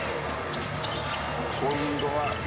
「今度は！」